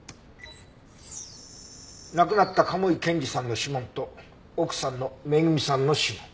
亡くなった賀茂井健治さんの指紋と奥さんの恵美さんの指紋。